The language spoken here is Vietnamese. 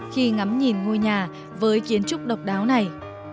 khi ngắm nhìn ngôi nhà với kiến trúc độc đáo này